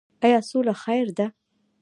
آیا سوله خیر ده؟